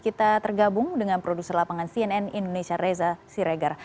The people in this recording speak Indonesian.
kita tergabung dengan produser lapangan cnn indonesia reza siregar